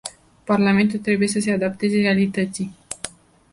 Parlamentul trebuie să se adapteze realității.